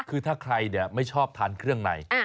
คือถ้าใครไม่ชอบทานเครื่องใน